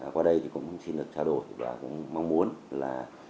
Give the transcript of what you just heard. qua đây thì cũng xin được trao đổi và cũng mong muốn là